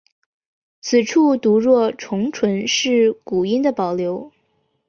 此处读若重唇是古音的保留。